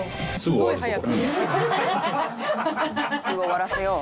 「すぐ終わらせよう」